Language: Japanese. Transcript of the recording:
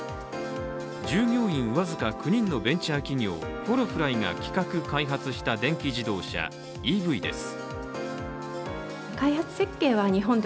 従業員僅か９人のベンチャー企業、フォロフライが企画・開発した電気自動車＝ＥＶです。